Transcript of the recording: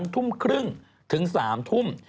ทุ่มครึ่งถึง๓ทุ่ม